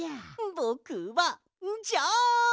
ぼくはジャン！